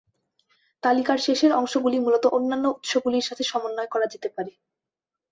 তালিকার শেষের অংশগুলি মূলত অন্যান্য উৎসগুলির সাথে সমন্বয় করা যেতে পারে।